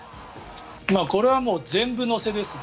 これはもう全部乗せですね。